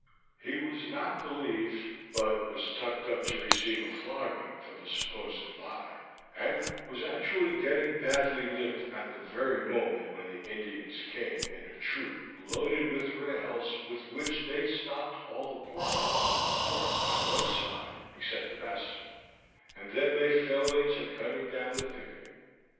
He was not believed, but was tucked up to receive a flogging for the supposed lie; and was actually getting badly licked at the very moment when the Indians came in a troop, loaded with rails, with which they stop'd all the port holes of the fort on one side except the bastion; and then they fell in to cutting down the picketing.